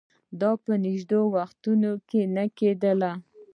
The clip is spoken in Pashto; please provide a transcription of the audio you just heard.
دا په نژدې وختونو کې نه کېدل